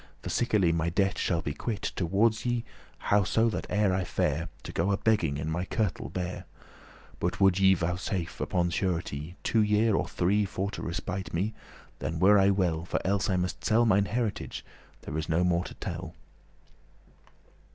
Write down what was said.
For sickerly my debte shall be quit Towardes you how so that e'er I fare To go a begging in my kirtle bare: But would ye vouchesafe, upon surety, Two year, or three, for to respite me, Then were I well, for elles must I sell Mine heritage; there is no more to tell."